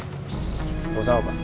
tidak usah apa apa